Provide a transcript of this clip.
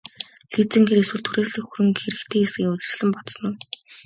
Лизингээр эсвэл түрээслэх хөрөнгө хэрэгтэй эсэхийг урьдчилан бодсон уу?